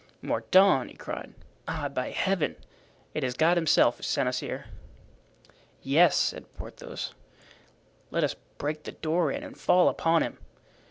"Mordaunt," he cried. "Ah! by Heaven! it is God Himself who sent us here." "Yes," said Porthos, "let us break the door in and fall upon him."